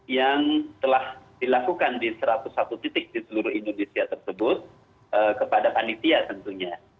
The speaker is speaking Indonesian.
yang telah dilakukan di satu ratus satu titik di seluruh indonesia tersebut kepada panitia tentunya